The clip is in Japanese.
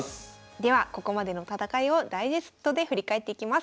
ではここまでの戦いをダイジェストで振り返っていきます。